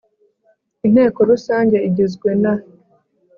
Inteko Rusange igizwe n